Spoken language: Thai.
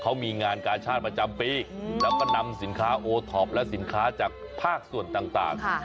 เขามีงานกาชาติประจำปีแล้วก็นำสินค้าโอท็อปและสินค้าจากภาคส่วนต่าง